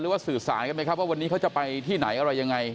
ว่าสื่อสารกันไหมครับว่าวันนี้เขาจะไปที่ไหนอะไรยังไง